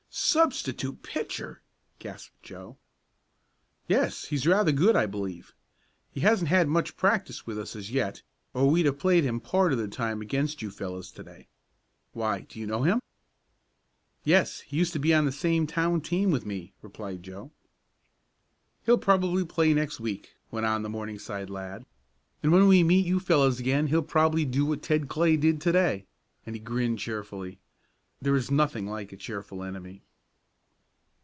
"Substitute pitcher!" gasped Joe. "Yes, he's rather good I believe. He hasn't had much practice with us as yet or we'd have played him part of the time against you fellows to day. Why, do you know him?" "Yes. He used to be on the same town team with me," replied Joe. "He'll probably play next week," went on the Morningside lad, "and when we meet you fellows again he'll probably do what Ted Clay did to day," and he grinned cheerfully there is nothing like a cheerful enemy.